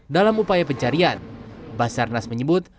dalam upaya pencarian basarnas menyebut